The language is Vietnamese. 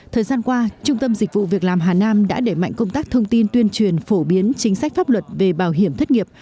thời gian qua trung tâm dịch vụ việc làm hà nam đã để mạnh công tác thông tin tuyên truyền phổ biến chính sách pháp luật về bảo hiểm thất nghiệp